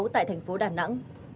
tại thành phố đà nẵng